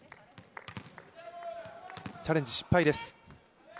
チャレンジ失敗です。